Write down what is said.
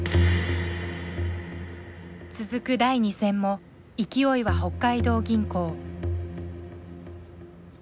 続く第２戦も勢いは北海道銀行。